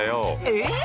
えっ！